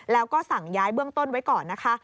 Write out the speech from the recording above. แล้วก็สั่งย้ายเบื้องต้นไว้ก่อนนะคะ